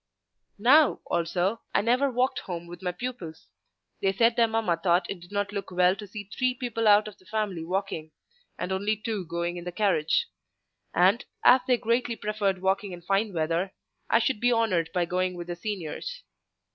Now, also, I never walked home with my pupils: they said their mamma thought it did not look well to see three people out of the family walking, and only two going in the carriage; and, as they greatly preferred walking in fine weather, I should be honoured by going with the seniors.